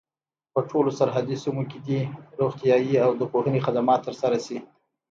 په ټولو سرحدي سیمو کي دي روغتیايي او د پوهني خدمات تر سره سي.